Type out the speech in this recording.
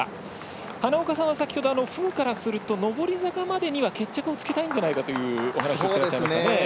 花岡さんは、先ほどフグからすると上り坂までには決着つけたいんじゃないかというお話がありましたね。